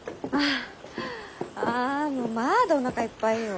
あもうまだおなかいっぱいよ。